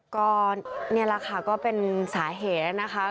ก็นี่แหละค่ะก็เป็นสาเหตุแล้วนะคะ